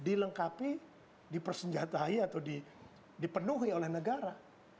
sudah dilengkapi dipersenjatai atau dipenuhi oleh negara